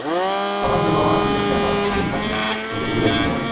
কখনো থ্রু, কখনো ডিফেন্স চেরা পাস—মুই-ই থাকলেন প্রতিটি গোলের অন্যতম কারিগর।